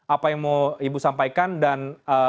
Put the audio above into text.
apa yang mau ibu sampaikan dan